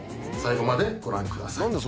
最後までご覧ください。